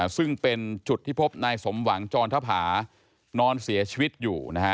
ซึ่งเป็นจุดที่พบนายสมหวังจรทภานอนเสียชีวิตอยู่